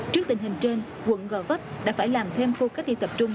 trước tình hình trên quận gò vấp đã phải làm thêm khu cách ly tập trung